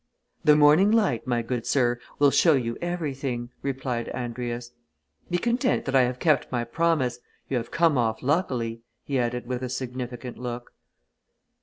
"The morning light, my good sir, will show you everything," replied Andrius. "Be content that I have kept my promise you have come off luckily," he added with a significant look.